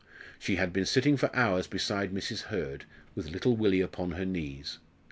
She had been sitting for hours beside Mrs. Hurd, with little Willie upon her knees.